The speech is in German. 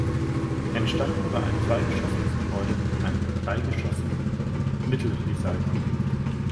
Entstanden war ein zweigeschossiges Gebäude mit einem dreigeschossigen Mittelrisaliten.